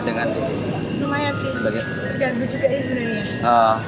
lumayan sih terganggu juga sih sebenarnya